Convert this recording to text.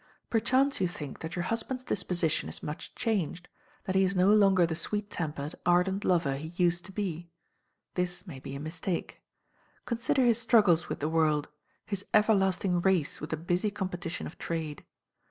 Perchance you think that your husband's disposition is much changed; that he is no longer the sweet tempered, ardent lover he used to be. This may be a mistake. Consider his struggles with the world his everlasting race with the busy competition of trade.